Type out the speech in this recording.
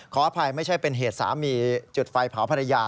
ขออภัยไม่ใช่เป็นเหตุสามีจุดไฟเผาภรรยา